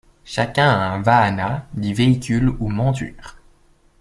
Chacun a un vâhana, dit véhicule ou monture.